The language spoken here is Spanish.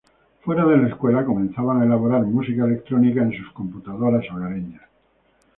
Fuera de la escuela, comenzaban a elaborar música electrónica en sus computadoras hogareñas.